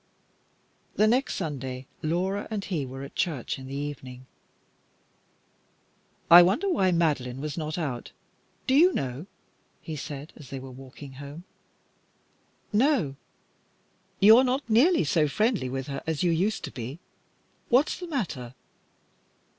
The next Sunday Laura and he were at church in the evening. "I wonder why Madeline was not out. Do you know?" he said as they were walking home. "No." "You're not nearly so friendly with her as you used to be. What's the matter?"